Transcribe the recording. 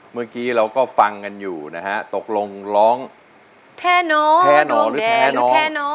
เมื่อกี้เราก็ฟังกันอยู่นะฮะตกลงร้องแทนอดวงแดหรือแทนอ